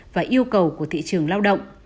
và yêu cầu của thị trường lao động